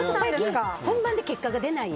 本番で結果が出ない。